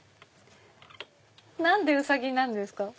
何でウサギなんですか？